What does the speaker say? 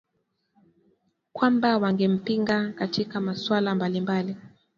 kwamba wangempinga katika masuala mbalimbali